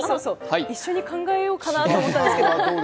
一緒に考えようかなと思ったんですが。